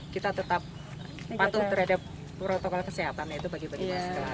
kita tetap patuh terhadap protokol kesehatan yaitu bagi bagi masker